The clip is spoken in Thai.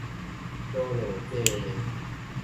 โจ่โหล่เจ่เหล่